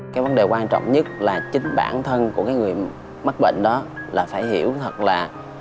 cái vấn đề quan trọng nhất là chính bản thân của cái người mắc bệnh đó là phải hiểu thật là